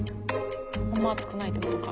あんま熱くないってことか。